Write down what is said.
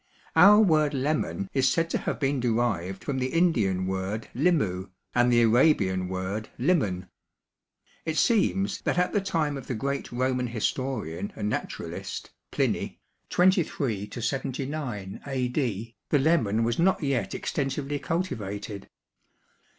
Our word lemon is said to have been derived from the Indian word limu and the Arabian word limun. It seems that at the time of the great Roman historian and naturalist, Pliny (23 79 A. D.), the lemon was not yet extensively cultivated.